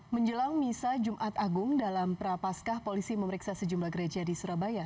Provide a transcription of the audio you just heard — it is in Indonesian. menjelang misa jumat agung dalam prapaskah polisi memeriksa sejumlah gereja di surabaya